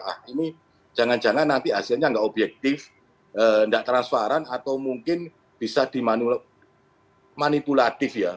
ah ini jangan jangan nanti hasilnya nggak objektif tidak transparan atau mungkin bisa dimanipulatif ya